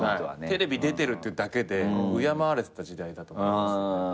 テレビ出てるっていうだけで敬われてた時代だと思うんですよね。